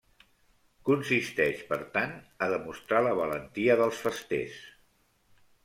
Consisteix, per tant, a demostrar la valentia dels festers.